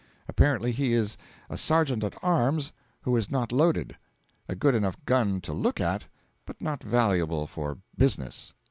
Apparently he is a sergeant at arms who is not loaded; a good enough gun to look at, but not valuable for business.